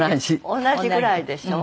同じぐらいでしょ？